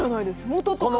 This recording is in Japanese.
元とか。